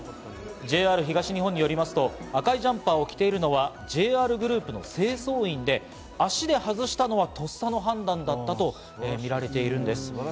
ＪＲ東日本によりますと、赤いジャンパーを着ているのはＪＲグループの清掃員で、足で外したのはとっさの判断だったとみられているんです。